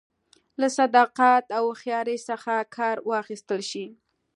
له صداقت او هوښیارۍ څخه کار واخیستل شي